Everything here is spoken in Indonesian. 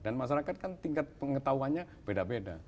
dan masyarakat kan tingkat pengetahuannya beda beda